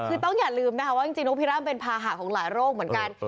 คือต้องอย่าลืมนะคะว่าจริงน้องพิรั่มเป็นภาหะของหลายโรคเหมือนกัน